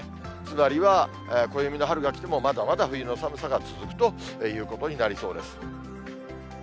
つまりは、暦の春がきてもまだまだ冬の寒さが続くということになりそうです。